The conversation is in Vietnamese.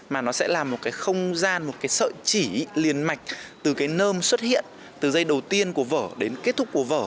mà nó sẽ là một cái không gian một cái sợi chỉ liền mạch từ cái nơm xuất hiện từ giây đầu tiên của vở đến kết thúc của vở